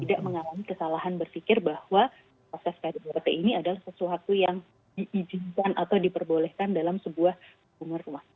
tidak mengalami kesalahan berpikir bahwa proses kdrt ini adalah sesuatu yang diizinkan atau diperbolehkan dalam sebuah umur rumah